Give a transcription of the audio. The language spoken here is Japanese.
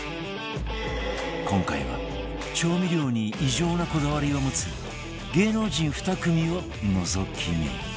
今回は調味料に異常なこだわりを持つ芸能人２組をのぞき見